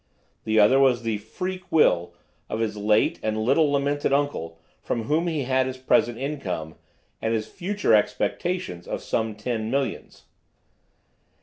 The other was the "freak" will of his late and little lamented uncle, from whom he had his present income, and his future expectations of some ten millions.